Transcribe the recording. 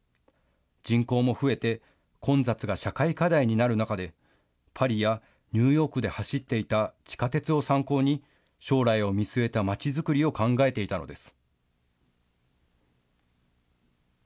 人口も増えて混雑が社会課題になる中でパリやニューヨークで走っていた地下鉄を参考に将来を見据えたまちづくりを考えていたのです。